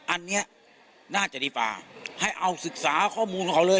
อันนี้น่าจะดีกว่าให้เอาศึกษาข้อมูลของเขาเลย